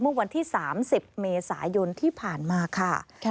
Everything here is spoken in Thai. เมื่อวันที่๓๐เมษายนที่ผ่านมาค่ะ